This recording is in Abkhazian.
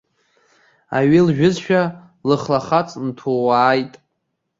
Аҩы лжәызшәа, лыхлахаҵ нҭууааит.